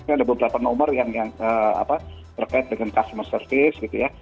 ini ada beberapa nomor yang terkait dengan customer service gitu ya